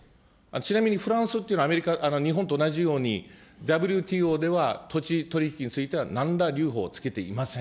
ちなみにフランスっていうのは、アメリカ、日本と同じように、ＷＴＯでは土地取り引きには、なんら留保をつけていません。